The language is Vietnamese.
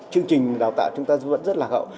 chương trình đào tạo chúng ta vẫn rất lạc hậu